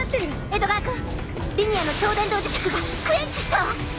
江戸川君リニアの超電導磁石がクエンチしたわ！